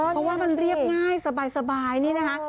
เพราะว่ามันเรียบง่ายสบายนี่นะคะ